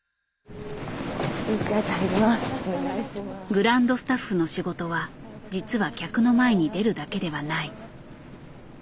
グランドスタッフの仕事は実は客の前に出るだけではない。